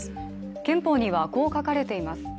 憲法にはこう書かれています。